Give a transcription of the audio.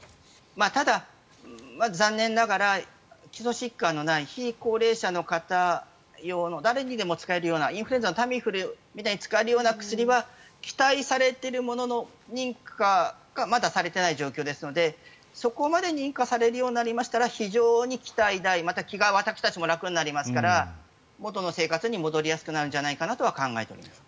ただ、残念ながら基礎疾患のない非高齢者の方用の誰にでも使えるようなインフルエンザのタミフルみたいに使えるような薬は期待されているものの認可がまだされていない状況ですのでそこまで認可されるようになりましたら非常に期待大また、気が私たちも楽になりますから元の生活に戻りやすくなるんじゃないかとは考えています。